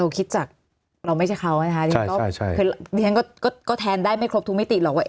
เราคิดจากเราไม่ใช่เขานะฮะใช่ใช่ใช่คือก็ก็แทนได้ไม่ครบถูกไม่ติหรอกว่า